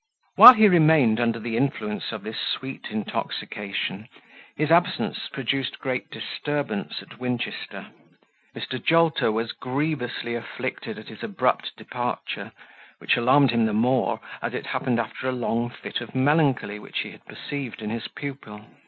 While he remained under the influence of this sweet intoxication, his absence produced great disturbance at Winchester. Mr. Jolter was grievously afflicted at his abrupt departure, which alarmed him the more, as it happened after a long fit of melancholy which he had perceived in his pupil.